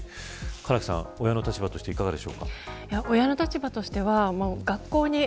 唐木さん、親の立場としていかがですか。